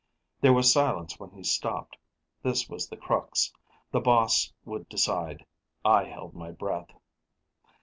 There was silence when he stopped. This was the crux; The Boss would decide. I held my breath.